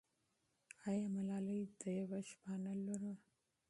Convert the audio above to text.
آیا ملالۍ د یوه شپانه لور وه؟